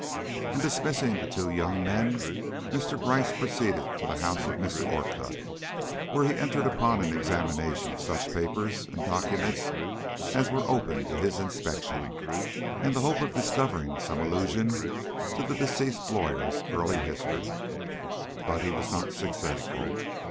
And, dismissing the two young men, Mr. Gryce proceeded to the house of Mr. Orcutt, where he entered upon an examination of such papers and documents as were open to his inspection, in the hope of discovering some allusion to the deceased lawyer's early history. But he was not successful.